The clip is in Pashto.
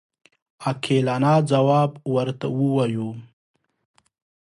عاقلانه ځواب ورته ووایو.